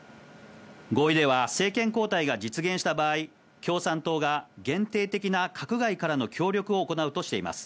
合意では、政権交代が実現した場合、共産党が、限定的な閣外からの協力を行うとしています。